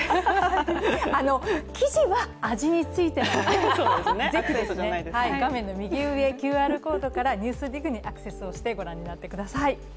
記事は味についてなので、ぜひ画面の右上、ＱＲコードから「ＮＥＷＳＤＩＧ」にアクセスをして、ご覧になってください。